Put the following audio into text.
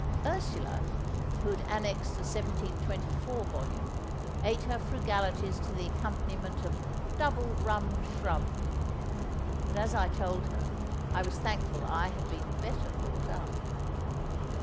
Ursula, who had annexed a 1724 volume, ate her frugalities to the accompaniment of Double Rum Shrub; but, as I told her, I was thankful I had been better brought up.